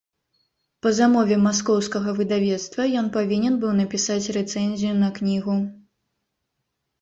Па замове маскоўскага выдавецтва ён павінен быў напісаць рэцэнзію на кнігу.